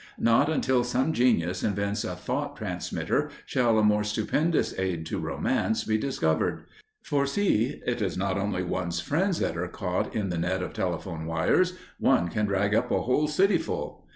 Not until some genius invents a thought transmitter shall a more stupendous aid to Romance be discovered. For see! It is not only one's friends that are caught in the net of telephone wires, one can drag up a whole city full!